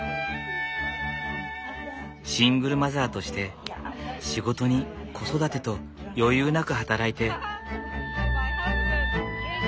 シングルマザーとして仕事に子育てと余裕なく働いて。